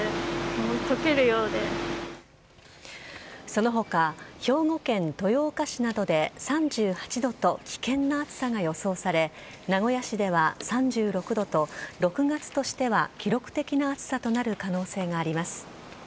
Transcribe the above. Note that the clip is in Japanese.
その他兵庫県豊岡市などで３８度と危険な暑さが予想され名古屋市では３６度と６月としては記録的な暑さとなる可能性があります。